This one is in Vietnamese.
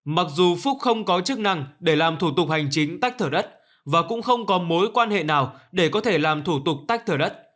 mặc dù phúc không có chức năng để làm thủ tục hành chính tách thửa đất và cũng không có mối quan hệ nào để có thể làm thủ tục tách thửa đất